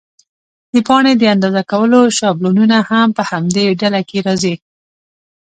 د پاڼې د اندازه کولو شابلونونه هم په همدې ډله کې راځي.